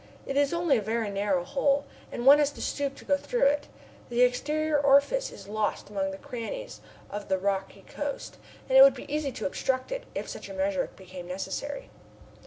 It is only a very narrow hole, and one has to stoop to go through it. The exterior orifice is lost among the crannies of the rocky coast, and it would be easy to obstruct it, if such a measure became necessary.